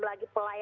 menjadi korban phk